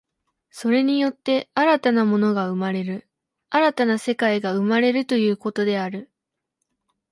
それによって新たな物が生まれる、新たな世界が生まれるということである。